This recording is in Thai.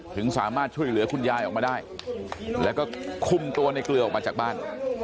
ถึงสามารถช่วยเหลือคุณยายออกมาได้แล้วก็คุมตัวในเกลือออกมาจากบ้าน